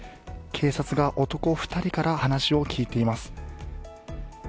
警察が男２人から話を聞いています。